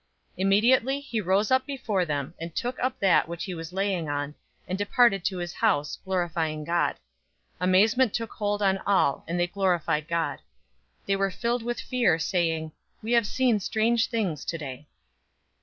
005:025 Immediately he rose up before them, and took up that which he was laying on, and departed to his house, glorifying God. 005:026 Amazement took hold on all, and they glorified God. They were filled with fear, saying, "We have seen strange things today."